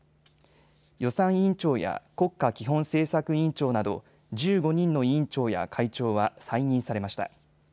予算委員長や国家基本政策委員長など１５人の委員長や会長は再任されました。